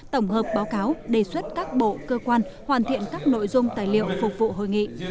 tổng hợp báo cáo đề xuất các bộ cơ quan hoàn thiện các nội dung tài liệu phục vụ hội nghị